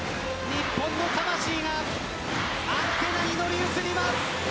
日本の魂がアンテナに乗り移ります。